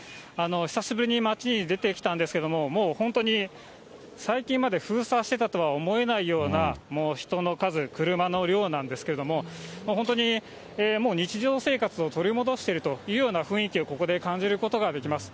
久しぶりに街に出てきたんですけれども、もう本当に、最近まで封鎖してたとは思えないような、もう人の数、車の量なんですけれども、本当にもう日常生活を取り戻しているというような雰囲気を、ここで感じることができます。